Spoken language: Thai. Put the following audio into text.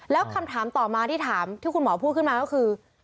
แล้วคำถามต่อมาที่ถามที่คุณหมอพูดขึ้นมาก็คือ